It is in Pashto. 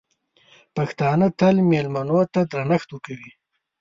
پښتانه تل مېلمنو ته درنښت ورکوي.